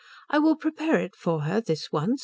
I will prepare it for her this once.